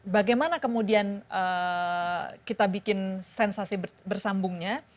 bagaimana kemudian kita bikin sensasi bersambungnya